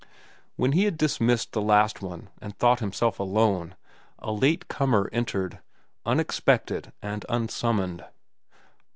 When he had dismissed the last one and thought himself alone, a late comer entered, unexpected and unsummoned.